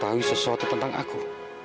tidak ada yang tahu sesuatu tentang aku